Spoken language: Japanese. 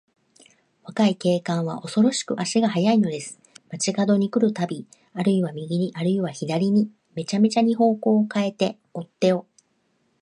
若い警官は、おそろしく足が早いのです。町かどに来るたび、あるいは右に、あるいは左に、めちゃくちゃに方角をかえて、追っ手をまこうとします。